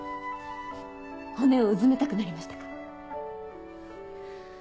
骨をうずめたくなりましたか？